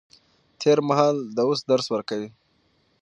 تېر مهال د اوس درس ورکوي.